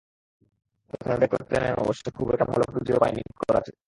প্রথমে ব্যাট করতে নেমে অবশ্য খুব একটা ভালো পুঁজিও পায়নি করাচি।